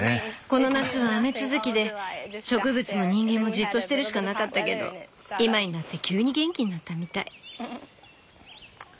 この夏は雨続きで植物も人間もじっとしてるしかなかったけど今になって急に元気になったみたい。